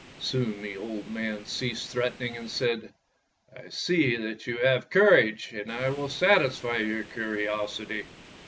Soon the old man ceased threatening and said: ''I see that you have courage, and I will satisfy your curiosity.